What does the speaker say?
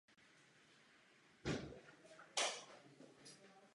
Krátce působil ve Filadelfii a potom odešel studovat právo do New Orleans.